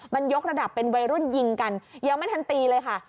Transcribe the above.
มันยกระดับเป็นวัยรุ่นยิงกันยังไม่ทันตีเลยค่ะ